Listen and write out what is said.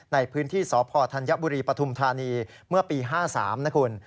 ในพื้นที่สพธัญบุรีปฐุมธานีเมื่อปี๕๓นะคุณ